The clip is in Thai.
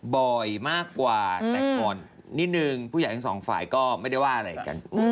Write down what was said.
บ่อยมากกว่าแต่ก่อนนิดนึงผู้ใหญ่ทั้งสองฝ่ายก็ไม่ได้ว่าอะไรกัน